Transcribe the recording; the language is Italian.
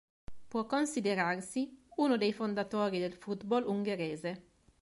Può considerarsi uno dei fondatori del football ungherese.